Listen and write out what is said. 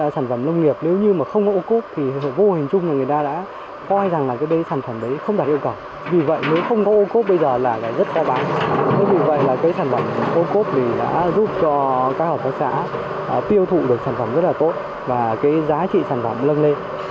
tại vì vậy sản phẩm ô cốt đã giúp cho các hợp tác xã tiêu thụ được sản phẩm rất là tốt và giá trị sản phẩm lân lên